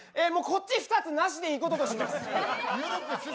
こっち２つなしでいいこととします